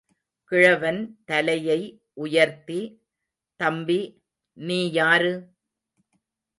கிழவன் தலையை உயர்த்தி, தம்பி, நீ யாரு...?